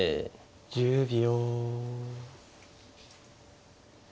１０秒。